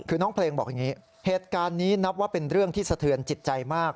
คือน้องเพลงบอกอย่างนี้เหตุการณ์นี้นับว่าเป็นเรื่องที่สะเทือนจิตใจมาก